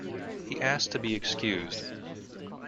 He asked to be excused